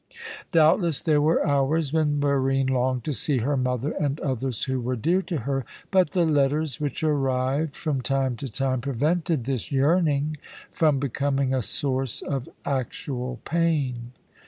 Doubtless there were hours when Barine longed to see her mother and others who were dear to her, but the letters which arrived from time to time prevented this yearning from becoming a source of actual pain.